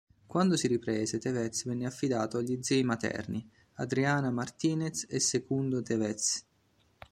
Quando si riprese, Tévez venne affidato agli zii materni, Adriana Martínez e Segundo Tévez.